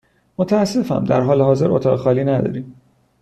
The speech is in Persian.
متأسفم، در حال حاضر اتاق خالی نداریم.